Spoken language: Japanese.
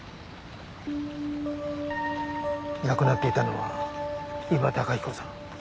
亡くなっていたのは伊庭崇彦さん